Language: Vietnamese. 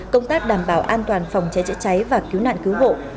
công tác đảm bảo an toàn phòng cháy chữa cháy và cứu nạn cứu hộ